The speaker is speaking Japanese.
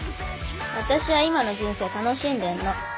私は今の人生楽しんでんの。